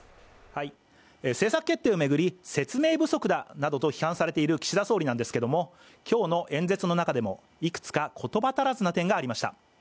政策決定を巡り、説明不足だなどと批判されている岸田総理ですが今日の演説の中でも、いくつか言葉足らずな点がありました。